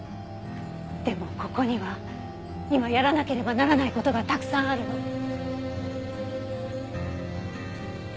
でもここには今やらなければならない事がたくさんあるの。